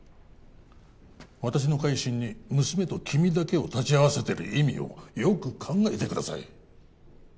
私の回診に娘と君だけを立ち会わせてる意味をよく考えてください